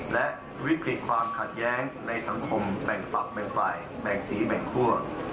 และวิกฤตความขัดแย้งในสังคมแบ่งฝักแบ่งฝ่ายแบ่งสีแบ่งคั่ว